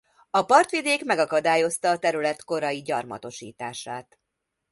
A partvidék megakadályozta a terület korai gyarmatosítását.